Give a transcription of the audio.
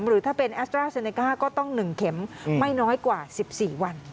หรือถ้าเป็นแอสตราเซเนก้าก็ต้อง๑เข็มไม่น้อยกว่า๑๔วัน